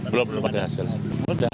belum belum ada hasilnya